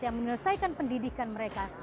yang menyelesaikan pendidikan mereka